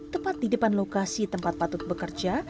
tepat di depan lokasi tempat patut bekerja